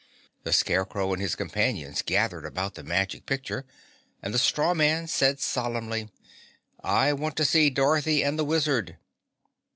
The Scarecrow and his companions gathered about the Magic Picture and the straw man said solemnly, "I want to see Dorothy and the Wizard."